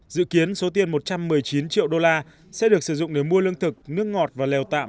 dự kiến số tiền một trăm một mươi chín triệu đô la sẽ được sử dụng để mua lương thực nước ngọt và lèo tạm